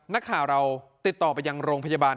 นักข่าวเราติดต่อไปยังโรงพยาบาล